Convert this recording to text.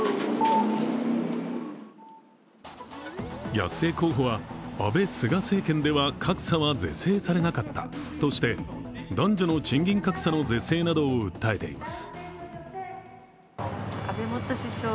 安江候補は安倍・菅政権では格差は是正されなかったとして、男女の賃金格差の是正などを訴えています。